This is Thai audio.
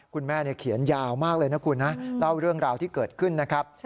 คุณแม่เขียนยาวมากเลยนะคุณนะเล่าเรื่องราวที่เกิดขึ้นนะครับ